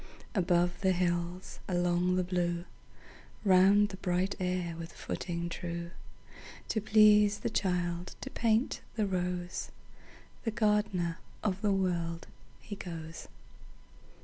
Above the hills, along the blue, Round the bright air with footing true, To please the child, to paint the rose, The gardener of the World, he goes.